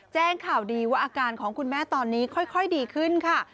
แจ้งข่าวดีว่าอาการของคุณแม่ตอนนี้ค่อยดีขึ้นค่ะ